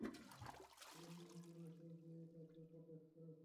কেউ তো একজন আছে, যে তাকে প্রটেক্ট করছে।